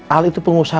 al itu pengusaha